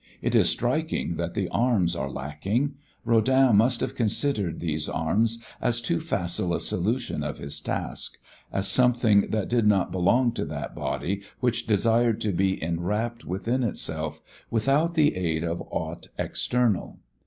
It is striking that the arms are lacking. Rodin must have considered these arms as too facile a solution of his task, as something that did not belong to that body which desired to be enwrapped within itself without the aid of aught external.